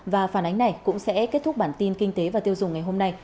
và phản ánh này cũng sẽ kết thúc bản tin kinh tế và tiêu dùng ngày hôm nay